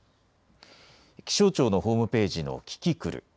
気象庁のホームページのキキクル。